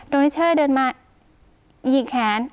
โดนเชื่อเดินมาหยีกแขน